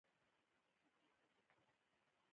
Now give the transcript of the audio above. که د ملکیت لیږد شونی نه وي متبادلې لارې و ټاکل شي.